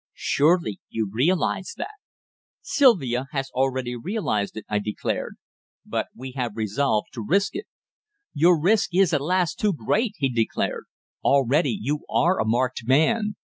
Surely you realize that?" "Sylvia has already realized it," I declared. "But we have resolved to risk it." "The risk is, alas! too great," he declared. "Already you are a marked man.